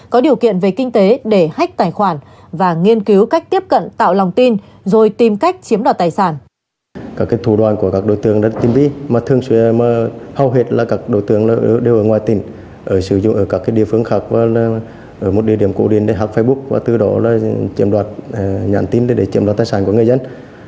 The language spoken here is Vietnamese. có điều kiện về kinh tế để hách tài khoản và nghiên cứu cách tiếp cận tạo lòng tin rồi tìm cách chiếm đoạt tài sản